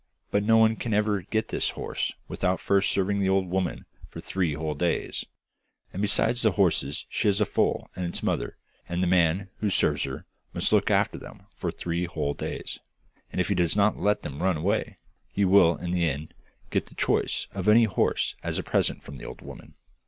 But no one can ever get this horse without first serving the old woman for three whole days. And besides the horses she has a foal and its mother, and the man who serves her must look after them for three whole days, and if he does not let them run away he will in the end get the choice of any horse as a present from the old woman.